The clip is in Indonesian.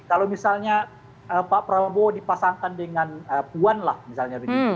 kalau misalnya pak prabowo dipasangkan dengan puan lah misalnya begitu